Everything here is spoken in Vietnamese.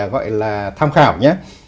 gọi là tham khảo nhé